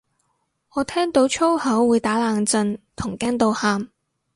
我聽到粗口會打冷震同驚到喊